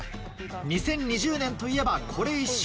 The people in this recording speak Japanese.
２０２０年といえばこれ一色。